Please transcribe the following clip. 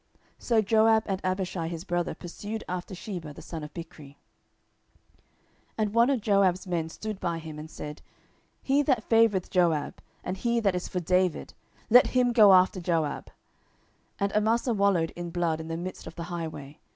So Joab and Abishai his brother pursued after Sheba the son of Bichri. 10:020:011 And one of Joab's men stood by him, and said, He that favoureth Joab, and he that is for David, let him go after Joab. 10:020:012 And Amasa wallowed in blood in the midst of the highway.